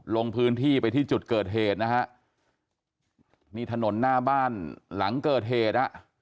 ลงพื้นที่ไปที่จุดเกิดเหตุนะฮะนี่ถนนหน้าบ้านหลังเกิดเหตุอ่ะ